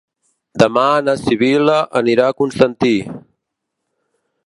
Demà na Sibil·la anirà a Constantí.